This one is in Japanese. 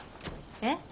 えっ？